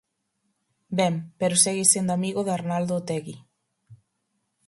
Ben, pero segue sendo amigo de Arnaldo Otegui.